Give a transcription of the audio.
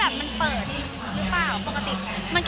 มันเหมือนกับมันเหมือนกับมันเหมือนกับ